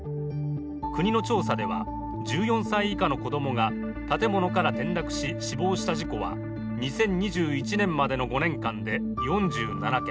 国の調査では、１４歳以下の子供が建物から転落し死亡した事故は２０２１年までの５年間で４７件。